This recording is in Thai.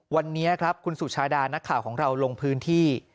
วันนี้ครับคุณสุชาดานักข่าวของเราลงพื้นที่